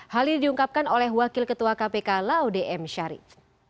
hal ini diungkapkan oleh wakil ketua kpk laude m syarif